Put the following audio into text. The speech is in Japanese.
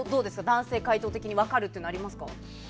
男性回答的に分かるっていうの、ありますか？